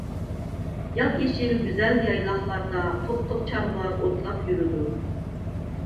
ياپيېشىل، گۈزەل يايلاقلاردا توپ-توپ چارۋىلار ئوتلاپ يۈرىدۇ.